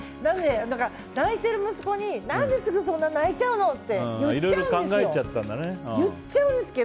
泣いてる息子に何でそんなすぐ泣いちゃうのって言っちゃうんですよ。